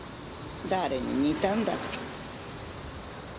誰に似たんだか。